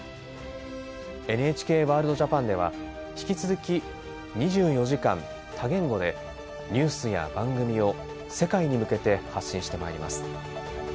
「ＮＨＫＷＯＲＬＤＪＡＰＡＮ」では引き続き２４時間多言語でニュースや番組を世界に向けて発信してまいります。